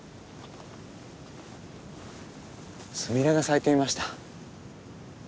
スミレが咲いていました。